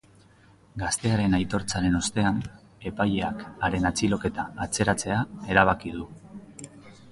Gaztearen aitortzaren ostean, epaileak haren atxiloketa atzeratzea erabaki du.